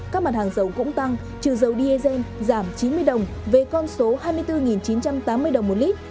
các mặt hàng dầu cũng tăng trừ dầu diesel giảm chín mươi đồng về con số hai mươi bốn chín trăm tám mươi đồng một lít